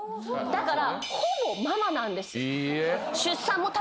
だから。